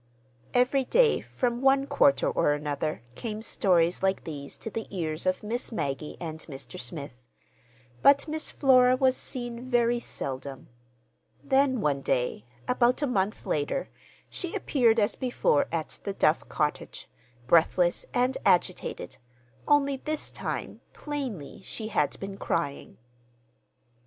Every day, from one quarter or another, came stories like these to the ears of Miss Maggie and Mr. Smith. But Miss Flora was seen very seldom. Then one day, about a month later, she appeared as before at the Duff cottage, breathless and agitated; only this time, plainly, she had been crying.